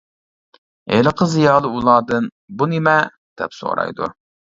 ھېلىقى زىيالىي ئۇلاردىن «بۇ نېمە؟ » دەپ سورايدۇ.